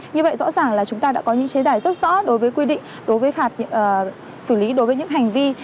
như vậy rõ ràng là chúng ta đã có những chế tài rất rõ đối với quy định đối với xử lý đối với những hành vi